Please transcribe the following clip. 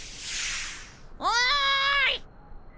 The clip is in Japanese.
おい！